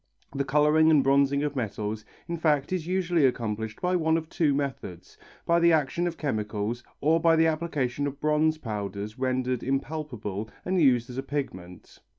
The colouring and bronzing of metals in fact is usually accomplished by one of two methods, by the action of chemicals or by the application of bronze powders rendered impalpable and used as a pigment.